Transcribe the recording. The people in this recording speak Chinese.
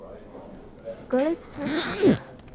格雷茨卡是德国足球界的新星之一。